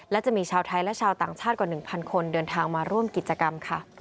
และจะมีชาวไทยและชาวต่างชาติกว่า๑๐๐คนเดินทางมาร่วมกิจกรรมค่ะ